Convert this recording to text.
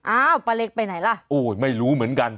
อ้าวป้าเล็กไปไหนล่ะโอ้ยไม่รู้เหมือนกัน